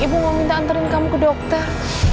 ibu mau minta antarin kamu ke dokter